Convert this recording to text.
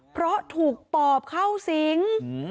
เพราะถูกปอบเข้าสิง